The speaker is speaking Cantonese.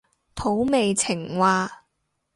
土味情話